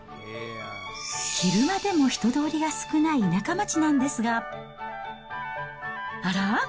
昼間でも人通りが少ない田舎町なんですが、あら、